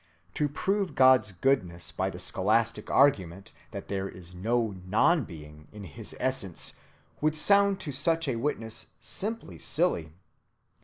To prove God's goodness by the scholastic argument that there is no non‐being in his essence would sound to such a witness simply silly.